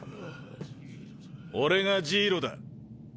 俺がジイロだ。